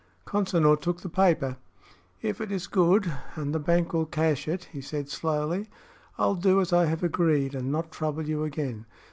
Consinor took the paper. "If it is good, and the bank will cash it," he said, slowly, "I'll do as I have agreed, and not trouble you again.